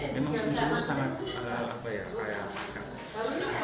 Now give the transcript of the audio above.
memang sum sum itu sangat kayak apa ya kayak kakak